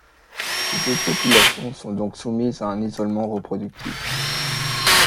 Ces deux populations sont donc soumises à un isolement reproductif.